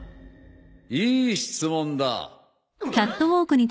いい質問だ。あっ！？